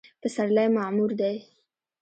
پسرلی معمور دی